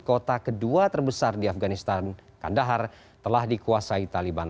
kota kedua terbesar di afganistan kandahar telah dikuasai taliban